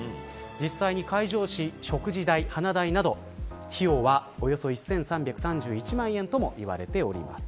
実際に会場費、食事代、花代など費用はおよそ１３３１万円ともいわれています。